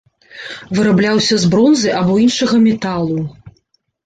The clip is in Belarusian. Вырабляўся з бронзы або іншага металу.